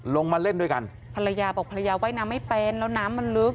ลงมาเล่นด้วยกันภรรยาบอกภรรยาว่ายน้ำไม่เป็นแล้วน้ำมันลึก